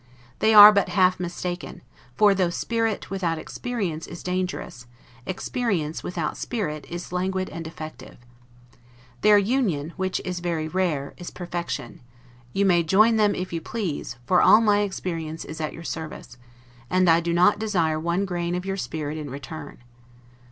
They are but half mistaken; for though spirit, without experience, is dangerous, experience, without spirit, is languid and defective. Their union, which is very rare, is perfection; you may join them, if you please; for all my experience is at your service; and I do not desire one grain of your spirit in return.